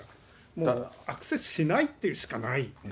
もうアクセスしないっていうしかないですね。